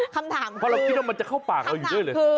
คำถามคือคำถามคือ